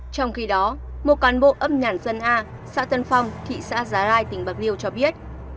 trong khi đó một cán bộ ấp nhản dân a xã tân phong thị xã già lai tỉnh bạc liêu cho biết